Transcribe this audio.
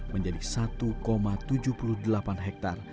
menjadi satu tujuh puluh delapan hektare